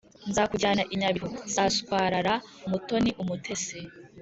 nzakujyana i nyabihu saswarara mutoni umutesi